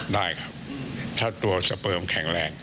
ได้เหรอครับได้ครับถ้าตัวสเปิร์มแข็งแรง